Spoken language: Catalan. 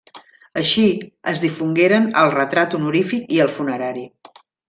Així, es difongueren el retrat honorífic i el funerari.